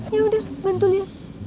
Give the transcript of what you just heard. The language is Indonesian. yaudah bantu liat